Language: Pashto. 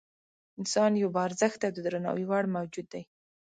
انسان یو با ارزښته او د درناوي وړ موجود دی.